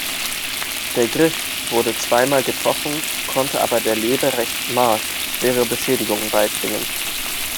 Die "Gryf" wurde zweimal getroffen, konnte aber der "Leberecht Maass" schwere Beschädigungen beibringen.